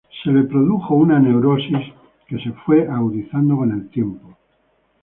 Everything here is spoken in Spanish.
Se le produjo una neurosis que se fue agudizando con el tiempo.